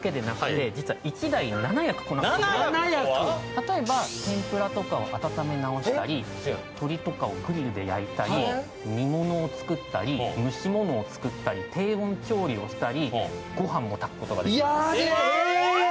例えば天ぷらとかを温め直したり、鶏とかをグリルで焼いたり煮物を作ったり、蒸し物を作ったり低温調理をしたり、御飯を炊くこともできるんです。